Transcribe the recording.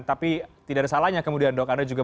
tapi tidak ada salahnya kemudian dok anda juga